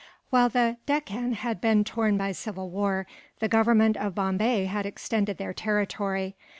While the Deccan had been torn by civil war, the Government of Bombay had extended their territory.